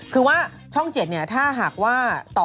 คือว่าช่อง๗ถ้าหากว่า